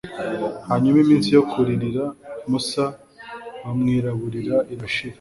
hanyuma iminsi yo kuririra musa bamwiraburira irashira